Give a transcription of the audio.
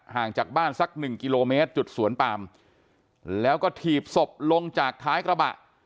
ห่างจากบ้านสักหนึ่งกิโลเมตรจุดสวนปามแล้วก็ถีบศพลงจากท้ายกระบะ